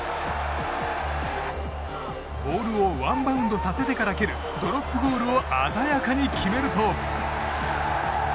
ボールをワンバウンドさせてから蹴るドロップゴールを鮮やかに決めると。